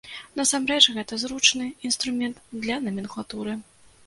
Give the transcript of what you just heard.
Насамрэч, гэта зручны інструмент для наменклатуры.